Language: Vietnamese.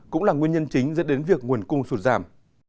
cũng là nguyên nhân chính dẫn đến việc nguồn cung sụt giảm